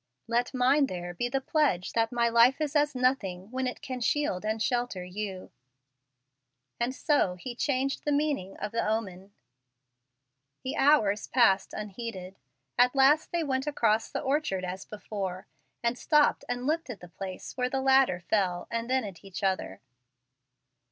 Let mine there be the pledge that my life is as nothing when it can shield and shelter you." And so he changed the meaning of the omen. The hours passed unheeded. At last they went across the orchard as before, and stopped and looked at the place where the ladder fell, and then at each other.